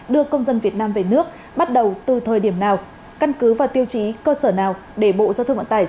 đưa công dân việt nam về nước bắt đầu từ thời điểm nào căn cứ và tiêu chí cơ sở nào để bộ giao thông vận tải